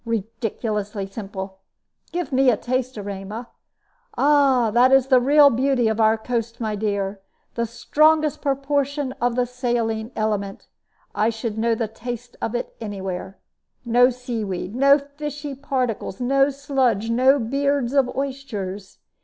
Ridiculously simple. Give me a taste, Erema. Ah, that is the real beauty of our coast, my dear! The strongest proportion of the saline element I should know the taste of it any where. No sea weed, no fishy particles, no sludge, no beards of oysters.